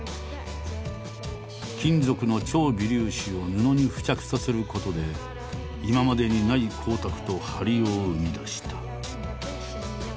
金属の超微粒子を布に付着させることで今までにない光沢と張りを生み出した。